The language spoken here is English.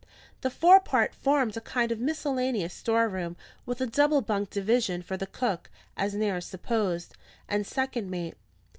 The fore part formed a kind of miscellaneous store room, with a double bunked division for the cook (as Nares supposed) and second mate.